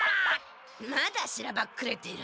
まだしらばっくれてる。